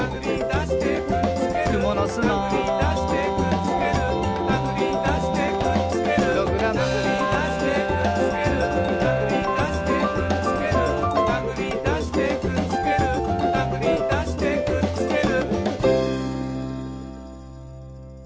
「くものすの」「たぐりだしてくっつける」「たぐりだしてくっつける」「プログラム」「たぐりだしてくっつける」「たぐりだしてくっつける」「たぐりだしてくっつけるたぐりだしてくっつける」